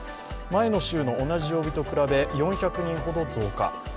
前の週の同じ曜日と比べ４００人ほど増加。